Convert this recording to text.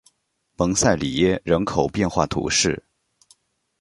蒙塞里耶人口变化图示